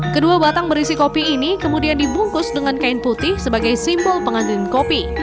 kedua batang berisi kopi ini kemudian dibungkus dengan kain putih sebagai simbol pengantin kopi